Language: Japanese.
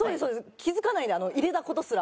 気付かないで入れた事すら。